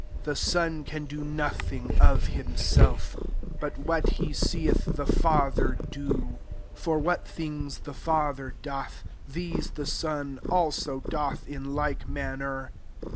The Son can do nothing of himself, but what he seeth the Father do : for what things the Father doth, th^e the Son also doth in like manner.